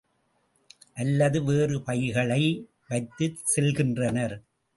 அல்லது வேறு பைகளை வைத்துச் செல்கின்றனர்.